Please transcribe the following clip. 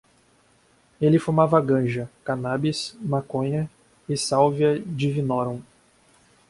Ele fumava ganja, cannabis, maconha e salvia divinorum